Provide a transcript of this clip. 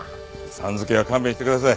さん付けは勘弁してください。